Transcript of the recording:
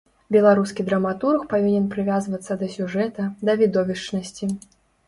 Беларускі драматург павінен прывязвацца да сюжэта, да відовішчнасці.